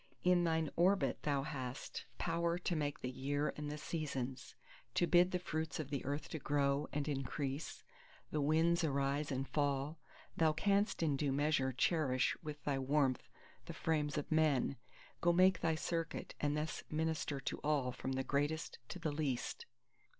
in thine orbit thou hast power to make the year and the seasons; to bid the fruits of the earth to grow and increase, the winds arise and fall; thou canst in due measure cherish with thy warmth the frames of men; go make thy circuit, and thus minister unto all from the greatest to the least!